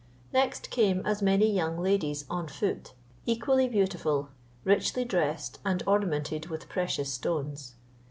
Next came as many young ladies on foot, equally beautiful, richly dressed, and ornamented with precious stones.